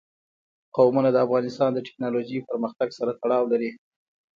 قومونه د افغانستان د تکنالوژۍ پرمختګ سره تړاو لري.